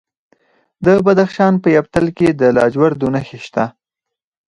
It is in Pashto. د بدخشان په یفتل کې د لاجوردو نښې شته.